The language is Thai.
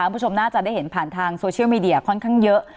คุณผู้ชมน่าจะได้เห็นผ่านทางโซเชียลมีเดียค่อนข้างเยอะ